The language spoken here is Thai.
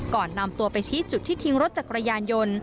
ก่อนนำตัวไปชี้จุดที่ทิ้งรถจักรยานยนต์